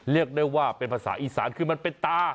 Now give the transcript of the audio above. เรียกได้ว่าเป็นภาษาอีสานคือมันเป็นตา